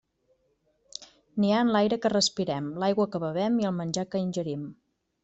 N'hi ha en l'aire que respirem, l'aigua que bevem i el menjar que ingerim.